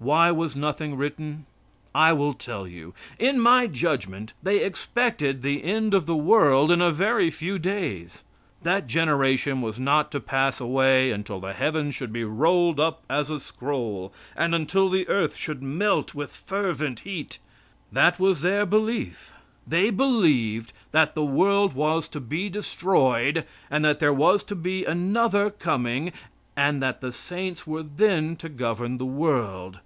Why was nothing written? I will tell you. In my judgment they expected the end of the world in a very few days. That generation was not to pass away until the heavens should be rolled up as a scroll, and until the earth should melt with fervent heat. That was their belief. They believed that the world was to be destroyed, and that there was to be another coming, and that the saints were then to govern the world.